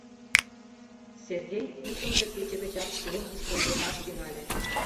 Сергей икымше кече гычак службышто йомаш тӱҥале.